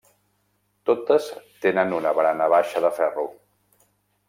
Totes tenen una barana baixa de ferro.